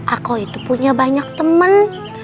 aku itu punya banyak teman